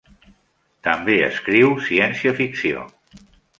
També escriu ciència-ficció.